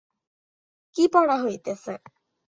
কী পড়া হইতেছে।